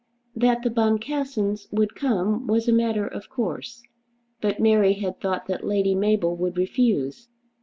That the Boncassens would come was a matter of course; but Mary had thought that Lady Mabel would refuse.